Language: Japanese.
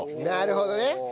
なるほどね。